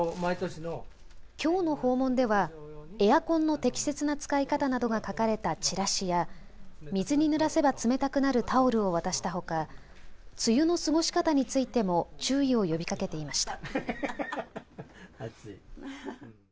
きょうの訪問ではエアコンの適切な使い方などが書かれたチラシや水にぬらせば冷たくなるタオルを渡したほか梅雨の過ごし方についても注意を呼びかけていました。